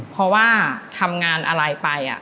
เพราะว่าทำงานอะไรไป